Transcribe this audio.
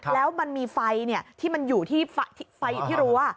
แล้วมันมีไฟที่มันอยู่ที่รั้ว